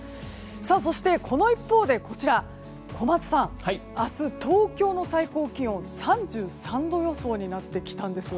そしてこの一方で小松さん明日、東京の最高気温３３度予想になってきたんですよ。